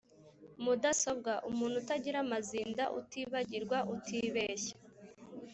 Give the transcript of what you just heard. Mudasobwa: umuntu utagira amazinda, utibagirwa, utibeshya.